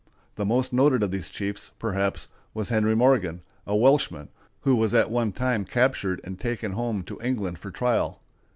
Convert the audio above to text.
The most noted of these chiefs, perhaps, was Henry Morgan, a Welshman, who was at one time captured and taken home to England for trial.